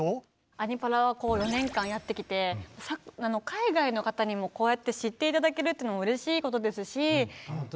「アニ×パラ」は４年間やってきて海外の方にも、こうやって知っていただけるっていうのもうれしいことですし。